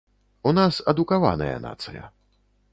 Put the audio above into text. У нас адукаваная нацыя.